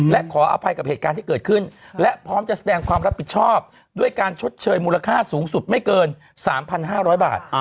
และขออภัยกับเหตุการณ์ที่เกิดขึ้นและพร้อมจะแสดงความรับผิดชอบด้วยการชดเชยมูลค่าสูงสุดไม่เกิน๓๕๐๐บาท